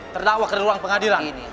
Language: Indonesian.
terdawa ke ruang pengadilan